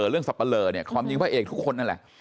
เรื่องสัปดาห์เนี่ยความยิงพระเอกทุกคนนั่นแหละ